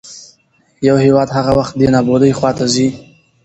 يـو هېـواد هـغه وخـت دې نـابـودۍ خـواتـه ځـي.